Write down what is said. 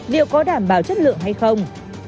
điều có đảm bảo chất lượng hay không